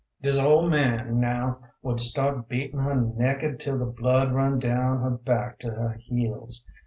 Dis ol' man, now, would start beatin' her nekkid 'til the blood run down her back to her heels.